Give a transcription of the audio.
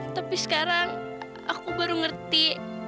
tapi sekarang aku baru ngerti